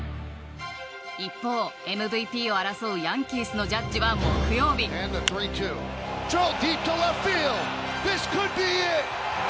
一方、ＭＶＰを争うヤンキースのジャッジは木曜日。